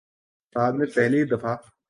سال میں پہلی دفع